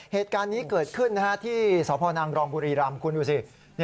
เหตุการณ์นี้เกิดขึ้นที่สพนางรองบุรีรำคุณดูสิ